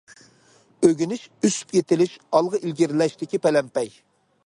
ئۆگىنىش ئۆسۈپ يېتىلىش، ئالغا ئىلگىرىلەشتىكى پەلەمپەي.